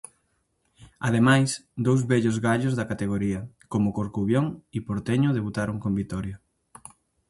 Ademais, dous vellos gallos da categoría, como Corcubión e Porteño debutaron con vitoria.